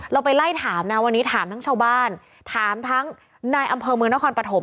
เราไปไล่ถามนะวันนี้ถามทั้งชาวบ้านถามทั้งนายอำเภอเมืองนครปฐม